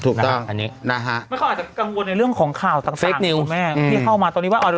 ถูกต้องนะฮะมันเขาอาจจะกังวลในเรื่องของข่าวต่างคุณแม่ที่เข้ามาตอนนี้ว่า